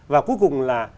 và cuối cùng là